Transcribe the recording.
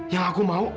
yang aku mau